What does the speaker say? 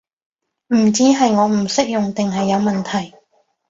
唔知係我唔識用定係有問題